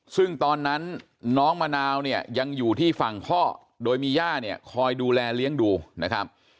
ซึ่งตอนนั้นน้องมะนาวเนี่ยยังอยู่ที่ฝั่งพ่อโดยมีย่าเนี่ยคอยดูแลเลี้ยงดูนะครับ